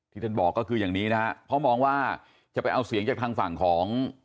ท่านบอกก็คืออย่างนี้นะฮะเพราะมองว่าจะไปเอาเสียงจากทางฝั่งของ